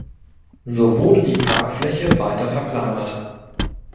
So wurde die Parkfläche weiter verkleinert.